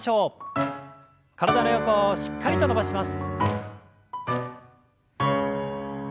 体の横をしっかりと伸ばします。